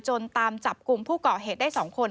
ตามจับกลุ่มผู้ก่อเหตุได้๒คน